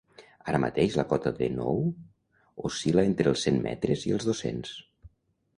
Ara mateix la cota de nou oscil·la entre els cent metres i els dos-cents.